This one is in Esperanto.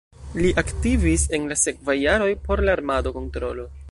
Li aktivis en la sekvaj jaroj por la armado-kontrolo.